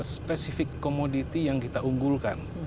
spesifik komoditi yang kita unggulkan